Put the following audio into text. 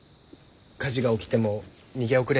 火事が起きても逃げ遅れるから？